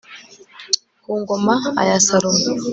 Ku ngoma aya Salomo